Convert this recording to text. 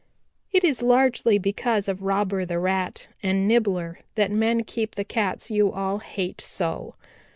"It is largely because of Robber the Rat and Nibbler that men keep the Cats you all hate so.